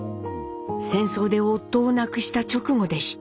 戦争で夫を亡くした直後でした。